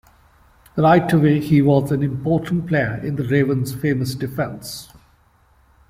Right away he was an important player in the Ravens famous defense.